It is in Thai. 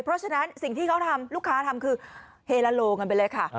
เพราะฉะนั้นสิ่งที่เขาทำลูกค้าทำคือเฮลาโลกันไปเลยค่ะ